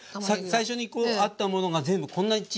最初にこうあったものが全部こんなに小さく。